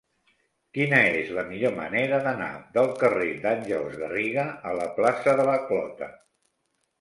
Quina és la millor manera d'anar del carrer d'Àngels Garriga a la plaça de la Clota?